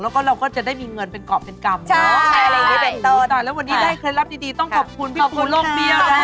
แล้วก็เราก็จะได้มีเงินเป็นกรอบเป็นกรรม